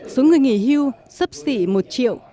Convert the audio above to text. số người nghỉ hưu sấp xỉ một triệu